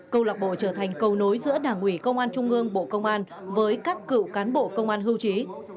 câu lạc bộ trở thành cầu nối giữa đảng ủy công an trung ương bộ công an với các cựu cán bộ công an hưu trí